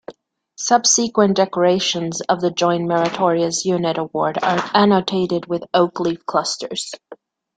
Subsequent decorations of the Joint Meritorious Unit Award are annotated with oak leaf clusters.